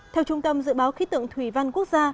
theo trung tâm dự báo khí tượng thủy văn quốc gia